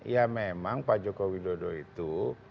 ya memang pak jokowi dodo itu